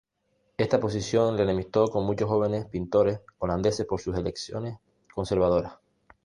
Esta posición le enemistó con muchos jóvenes pintores holandeses por sus elecciones conservadoras.